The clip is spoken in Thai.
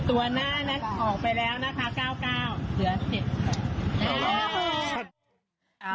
ตัวหน้านะออกไปแล้วนะคะเก้าเก้าเดี๋ยวเสร็จ